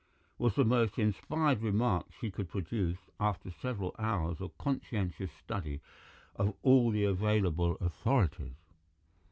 was the most inspired remark she could produce after several hours of conscientious study of all the available authorities.